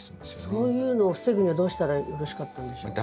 そういうのを防ぐにはどうしたらよろしかったんでしょう？